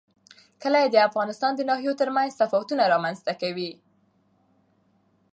کلي د افغانستان د ناحیو ترمنځ تفاوتونه رامنځ ته کوي.